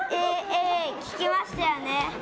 効きましたよね。